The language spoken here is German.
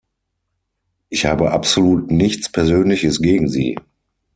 Ich habe absolut nichts Persönliches gegen Sie.